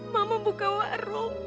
mama buka warung